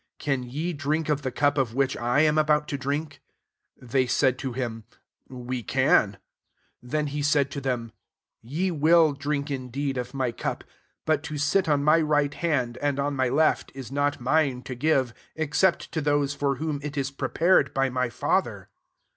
Can ye drink of the cup of which I. am about to drink ?" They said to him, «< We can. 23 Then he said to them, « Ye will drink indeed of my cup : but to sit on my right hand, and on [my] left, is not mine to giv^ except to those for whom it is prepared by my Father."